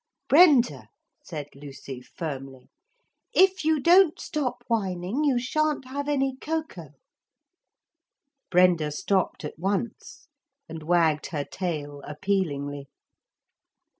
'Brenda,' said Lucy firmly, 'if you don't stop whining you shan't have any cocoa.' Brenda stopped at once and wagged her tail appealingly.